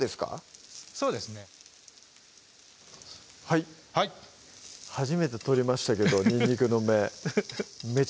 はいはい初めて取りましたけどにんにくの芽